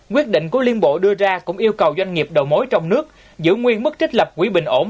quyết định của liên bộ đưa ra cũng yêu cầu doanh nghiệp đầu mối trong nước giữ nguyên mức trích lập quỹ bình ổn